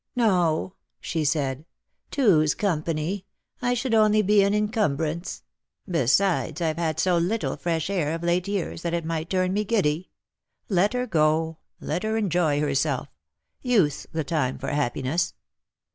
" No," she said ;" two's company. I should only be an encumbrance. Besides, I've had so little fresh air of late years that it might turn me giddy. Let her go ; let her enjoy her self; youth's the time for happiness."